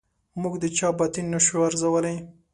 موږ د چا باطن نه شو ارزولای.